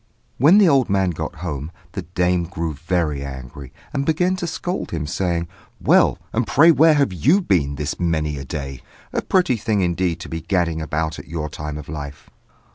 When the old man got home, the dame grew very angry, and began to scold him, saying, "Well, and pray where have you been this many a day? A pretty thing, indeed, to be gadding about at your time of life!"